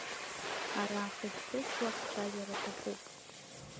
Ара хыхь-хыхьла ахцәажәара аҭахуп.